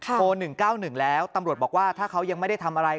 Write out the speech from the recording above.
๑๙๑แล้วตำรวจบอกว่าถ้าเขายังไม่ได้ทำอะไร